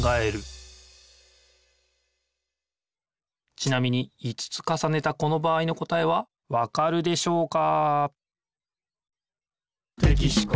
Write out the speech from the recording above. ちなみに５つかさねたこの場合の答えはわかるでしょうか？